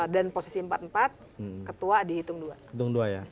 dan posisi empat empat ketua dihitung dua